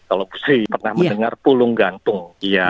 kalau busri pernah mendengar pulung gantung